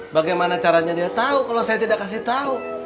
bagaimana caranya dia tahu kalau saya tidak kasih tahu